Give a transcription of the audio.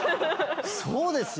そうですよ。